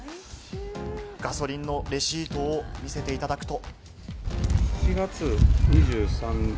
ガソリンのレシートを見せていただくと。